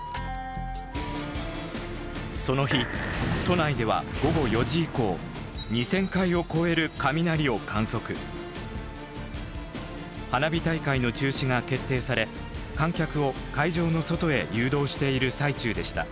その日都内では午後４時以降花火大会の中止が決定され観客を会場の外へ誘導している最中でした。